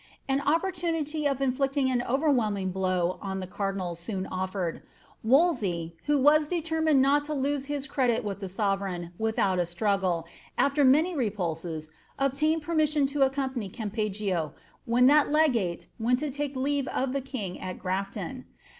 An opportunity of inllict .: an orerwhelming blow on the cardinal soon oflered. Wolsey, who '>!! determined not to lose his credit with the sovereign without • timggle, nl\er many repulses obtained permission to accompany Cain pefgio. when that legate went la take leave of tlte king at Grnfion.